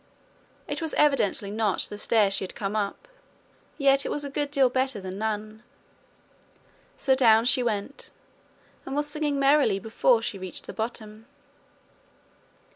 It was evidently not the stair she had come up, yet it was a good deal better than none; so down she went, and was singing merrily before she reached the bottom.